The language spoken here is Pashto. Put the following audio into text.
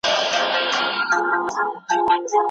تاسو په دې اړه څه ډول نظر لرئ؟